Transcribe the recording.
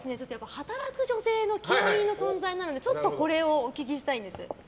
働く女性の極みの存在なのでちょっとこれをお聞きしたいです。